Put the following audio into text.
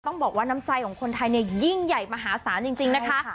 ต้องบอกว่าน้ำใจของคนไทยเนี่ยยิ่งใหญ่มหาศาลจริงนะคะ